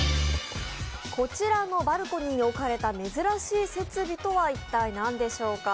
こちらのバルコニーに置かれた珍しい設備とは一体何だったでしょうか。